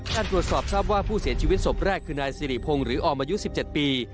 การตรวจสอบทราบว่าผู้เสียชีวิตศพแรกคือนายสิริพงศ์หรือออมอายุ๑๗ปี